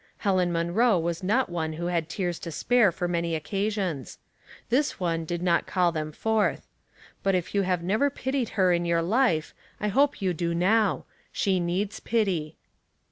Helen Manroe was not one who had tears to Bpare for many occasions — this one did not call them forth ; but if you have never pitied her in your life, I hope you do now — she needs pity.